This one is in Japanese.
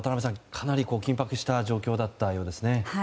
かなり緊迫した状況だったようですね。